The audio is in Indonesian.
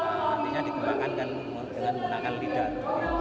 nantinya dikembangkan dengan menggunakan lidah